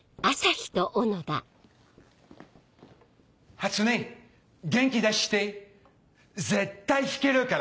初音元気出して絶対弾けるから！